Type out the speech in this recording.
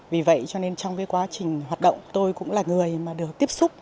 vì vậy cho nên trong cái quá trình hoạt động tôi cũng là người mà được tiếp xúc